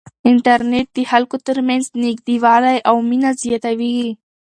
انټرنیټ د خلکو ترمنځ نږدېوالی او مینه زیاتوي.